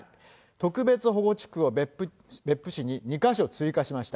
特別保護地区を別府市に２か所追加しました。